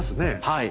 はい。